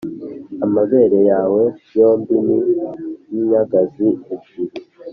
Amabere yawe yombi ni nk’inyagazi ebyiri,